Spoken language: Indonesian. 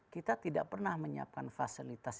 kita tidak pernah menyiapkan fasilitas